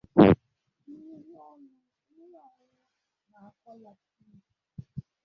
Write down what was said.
mmiri ọñụñụ na ọkụ latiriiki